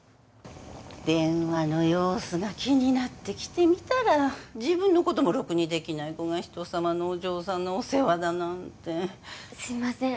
電話の様子が気になって来てみたら自分のこともろくにできない子がひとさまのお嬢さんのお世話だなんてすいません